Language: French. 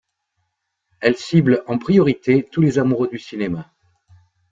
Elle cible en priorité tous les amoureux du cinéma.